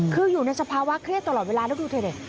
คืออยู่ในสภาวะเครียดตลอดเวลาแล้วดูเธอดิ